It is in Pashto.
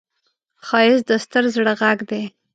ښایست د ستر زړه غږ دی